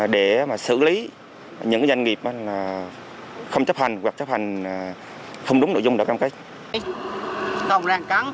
để xử lý những doanh nghiệp không chấp hành hoặc chấp hành không đúng nội dung đoạn cam kết